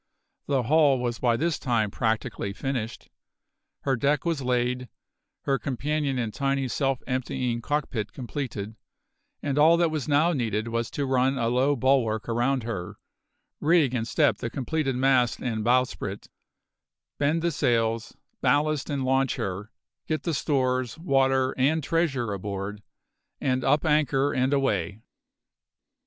The hull was by this time practically finished; her deck was laid, her companion and tiny self emptying cockpit completed, and all that was now needed was to run a low bulwark around her, rig and step the completed mast and bowsprit, bend the sails, ballast and launch her, get the stores, water, and treasure aboard; and up anchor and away.